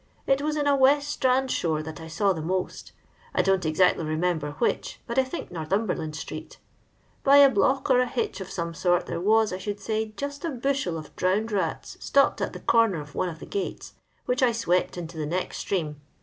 It was in a West Strand ikort that I saw the most I don't exactly remember which, but I think Northumberland street By a block or a hitch of some sort, there was, I should say, just a bushel of drowned mts stopped at the comer of one of the gates, which I swept into the next stream.